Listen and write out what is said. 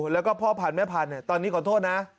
แล้วก็พ่อพันธุ์แม่พันธุ์ตอนนี้ขอโทษนะ